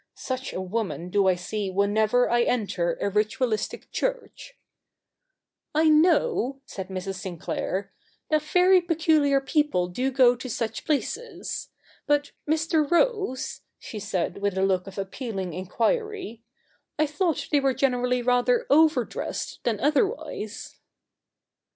Such a woman do I see whenever 1 enter a ritualistic church '' I know,' said Mrs. Sinclair, ' that very peculiar people do go to such places ; but, Mr. Rose,' she said with a look of appealing enquiry, ' I thought they were generally rather over dressed than otherwise